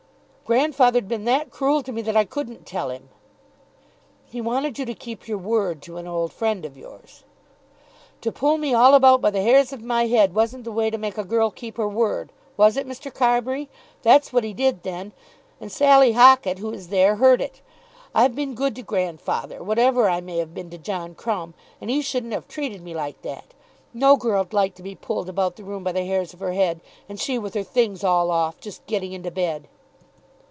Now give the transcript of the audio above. "Grandfather 'd been that cruel to me that I couldn't tell him." "He wanted you to keep your word to an old friend of yours." "To pull me all about by the hairs of my head wasn't the way to make a girl keep her word; was it, Mr. Carbury? That's what he did, then; and Sally Hockett, who is there, heard it. I've been good to grandfather, whatever I may have been to John Crumb; and he shouldn't have treated me like that. No girl 'd like to be pulled about the room by the hairs of her head, and she with her things all off, just getting into bed."